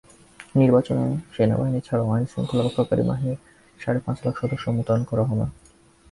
নির্বাচনে সেনাবাহিনী ছাড়াও আইনশৃঙ্খলা রক্ষাকারী বাহিনীর সাড়ে পাঁচ লাখ সদস্য মোতায়েন করা হবে।